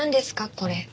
これ。